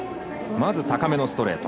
まず高めのストレート。